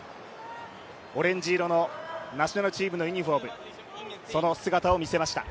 オレンジ色のナショナルチームのユニフォーム、その姿を見せました。